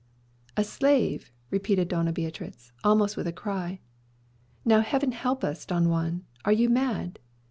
"A slave!" repeated Doña Beatriz, almost with a cry. "Now Heaven help us, Don Juan; are you mad?